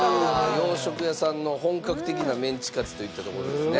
洋食屋さんの本格的なメンチカツといったところですね。